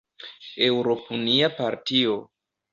Eŭropunia partio.